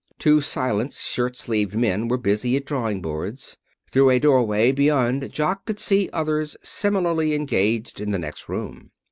Two silent, shirt sleeved men were busy at drawing boards. Through a doorway beyond Jock could see others similarly engaged in the next room.